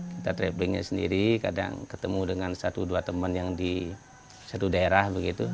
kita travelingnya sendiri kadang ketemu dengan satu dua teman yang di satu daerah begitu